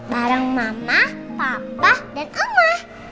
bareng mama papa dan omah